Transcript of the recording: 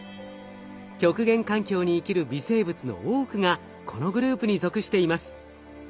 極限環境に生きる微生物の多くがこのグループに属しています。